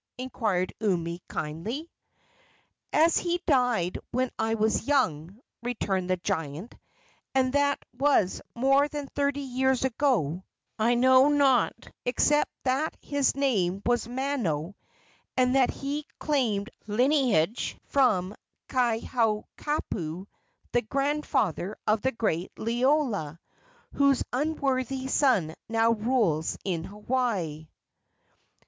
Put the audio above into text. inquired Umi, kindly. "As he died when I was young," returned the giant, "and that was more than thirty years ago, I know not, except that his name was Mano, and that he claimed lineage from Kahaukapu, the grandfather of the great Liloa, whose unworthy son now rules in Hawaii."